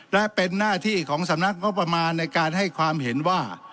และเป็นหน้าที่ของสำนักงบประมาณในการให้ความเห็นว่า